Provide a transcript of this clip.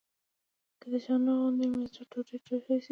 که د شانه غوندې مې زړه ټوټې ټوټې شو.